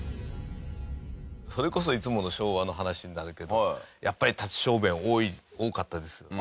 それこそいつもの昭和の話になるけどやっぱり立ち小便は多かったですよね。